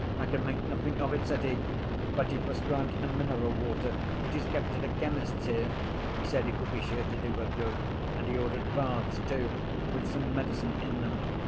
'I can make nothing of it,' said he, but he prescribed a mineral water which is kept at a chemist's here. He said it would be sure to do her good, and he ordered baths, too, with some medicine in them.